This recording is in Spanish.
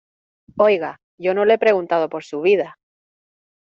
oiga, yo no le he preguntado por su vida.